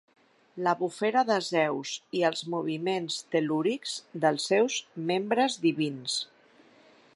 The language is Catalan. La bufera de Zeus i els moviments tel·lúrics dels seus membres divins.